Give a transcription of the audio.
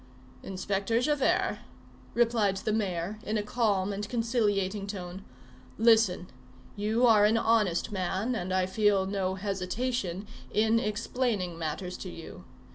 "Inspector Javert," replied the mayor, in a calm and conciliating tone, "listen. You are an honest man, and I feel no hesitation in explaining matters to you.